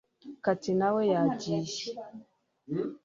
cathy nawe yagiye